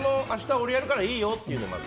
俺やるからいいよって言うのまず。